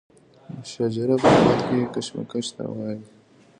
مشاجره په لغت کې کشمکش ته وایي.